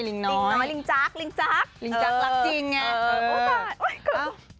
ลิงน้อยลิงจั๊กลิงจั๊กลิงจั๊กรักจริงไงโอ้ตายโอ๊ยเกิน